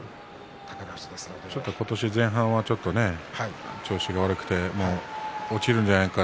今年前半はちょっと調子が悪くて落ちるんじゃないか